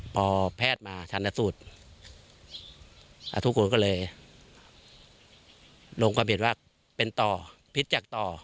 พอแพทย์มาชันสูตรทุกคนก็เลยลงความเห็นว่าเป็นต่อพิษจากต่อ